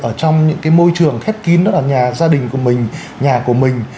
ở trong những cái môi trường khép kín đó là nhà gia đình của mình nhà của mình